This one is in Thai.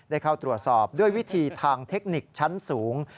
ได้เข้าตรวจสอบด้วยวิธีทางเทคนิคชั้นสูง